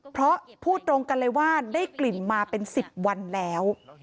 เพราะพูดตรงกันเลยว่าได้กลิ่นมาเป็น๑๐วันแล้ว